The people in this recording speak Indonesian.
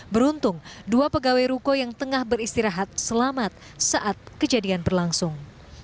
beruntung dua pegawai ruko yang tengah beristirahat selamat saat kejadian berlangsung